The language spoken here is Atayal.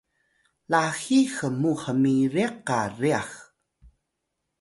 laxi hmut hmiriq qa ryax